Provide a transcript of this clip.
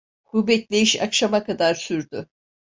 Bu bekleyiş akşama kadar sürdü.